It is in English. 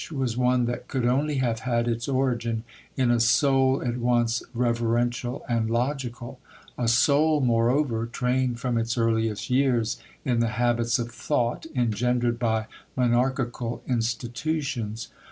was one that could only have had its origin in a soul at once reverential and logical,—a soul, moreover, trained from its earliest years in the habits of thought engendered by monarchical institutions.